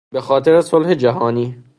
به خاطر صلح جهانی